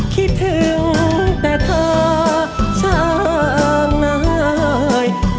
คิดถึงแต่เธอช่างนาย